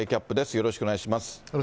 よろしくお願いします。